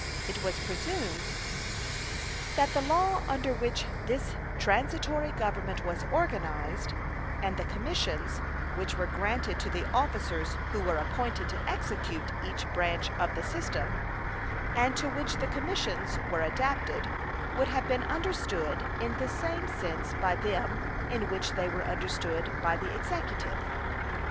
It was presumed that the law under which this transitory Government was organized, and the commissions which were granted to the officers who were appointed to execute each branch of the system, and to which the commissions were adapted, would have been understood in the same sense by them in which they were understood by the Executive.